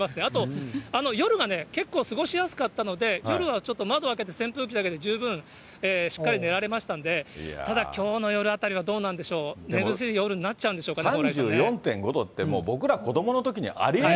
あと、夜がね、結構過ごしやすかったので、夜はちょっと、窓開けて扇風機だけで十分、しっかり寝られましたんで、ただ、きょうの夜あたりはどうなんでしょう、寝苦しい夜になっちゃうんでしょうかね。